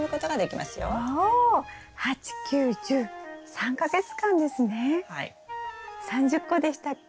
３０個でしたっけ？